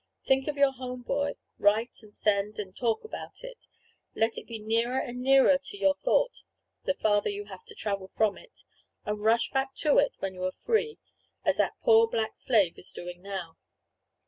Think of your home, boy; write and send, and talk about it. Let it be nearer and nearer to your thought, the farther you have to travel from it; and rush back to it when you are free, as that poor black slave is doing now.